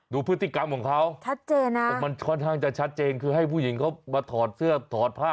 ดูพฤติกรรมของเขาชัดเจนนะมันค่อนข้างจะชัดเจนคือให้ผู้หญิงเขามาถอดเสื้อถอดผ้า